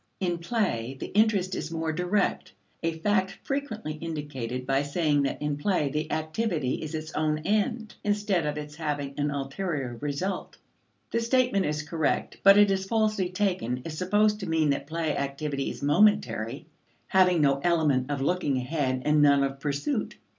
In play, the interest is more direct a fact frequently indicated by saying that in play the activity is its own end, instead of its having an ulterior result. The statement is correct, but it is falsely taken, if supposed to mean that play activity is momentary, having no element of looking ahead and none of pursuit.